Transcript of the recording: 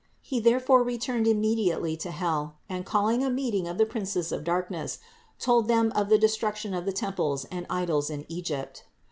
649. He therefore returned immediately to hell and, calling a meeting of the princes of darkness, told them of the destruction of the temples and idols in Egypt.